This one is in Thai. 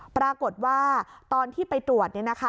ปรากฏว่าตอนที่ไปตรวจ